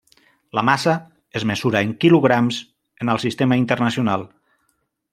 La massa es mesura en quilograms en el sistema internacional.